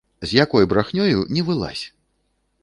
З якой брахнёю не вылазь!